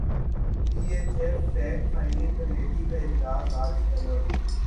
پی H F fact finding committee کا اجلاس اج طلب